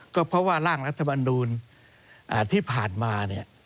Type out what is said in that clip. ก็เพราะว่าร่างรัฐบาลนูนที่ผ่านมา